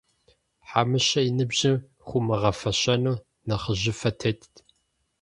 Хьэмыщэ и ныбжьым хуумыгъэфэщэну нэхъыжьыфэ тетт.